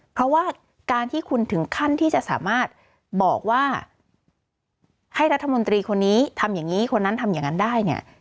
เพราะว่าการที่คุณถึงขั้นที่จะสามารถบอกว่าให้รัฐมนตรีคนนี้ทำอย่างนี้คนนั้นทำอย่างนั้นได้เนี่ย